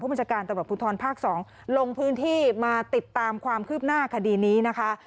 บัญชาการตำรวจภูทรภาค๒ลงพื้นที่มาติดตามความคืบหน้าคดีนี้นะคะ